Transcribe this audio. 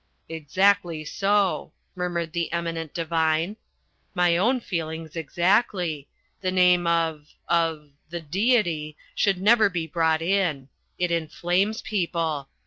"Exactly so," murmured The Eminent Divine, "my own feelings exactly. The name of of the Deity should never be brought in. It inflames people.